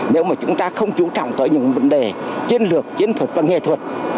nếu mà chúng ta không chú trọng tới những vấn đề chiến lược chiến thuật và nghệ thuật